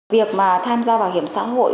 việc mà tham gia bảo hiểm xã hội